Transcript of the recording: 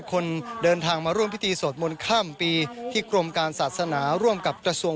คนเดินทางมาร่วมพิธีสวดมนต์ข้ามปีที่กรมการศาสนาร่วมกับกระทรวง